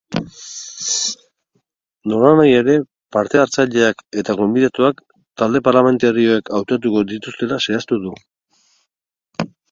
Nolanahi ere, parte-hartzaileak eta gonbidatuak talde parlamentarioek hautatuko dituztela zehaztu du.